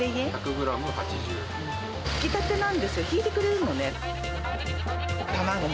ひきたてなんですよ、ひいてくれるのね。